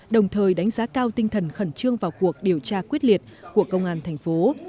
đồng thời đánh giá cao tinh thần khẩn trương vào cuộc điều tra quyết liệt của công an thành phố